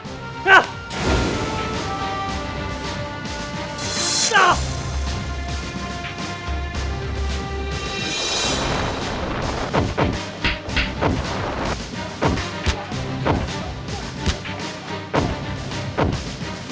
kamu tidak bisa melaporkan bertentangan